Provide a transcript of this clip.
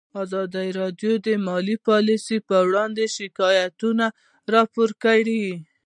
ازادي راډیو د مالي پالیسي اړوند شکایتونه راپور کړي.